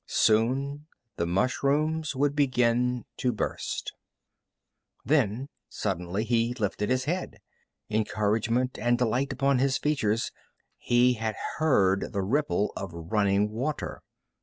Soon the mushrooms would begin to burst Then, suddenly, he lifted his head, encouragement and delight upon his features. He had heard the ripple of running water.